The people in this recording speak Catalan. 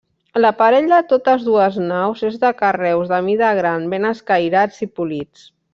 L'aparell de totes dues naus és de carreus de mida gran ben escairats i polits.